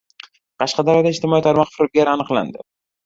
Qashqadaryoda ijtimoiy tarmoq firibgari aniqlandi